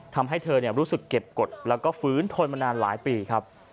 ทำให้เธอรู้สึกเก็บกฎแล้วก็ฟื้นทนมานานหลายปีครับ